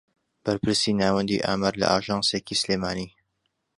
بەرپرسی ناوەندی ئامار لە ئاژانسێکی سلێمانی